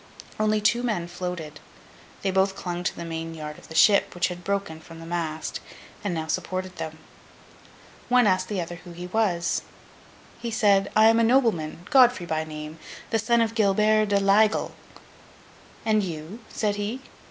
Only two men floated. They both clung to the main yard of the ship, which had broken from the mast, and now supported them. One asked the other who he was? He said, 'I am a nobleman, Godfrey by name, the son of Gilbert de l'Aigle. And you?' said he.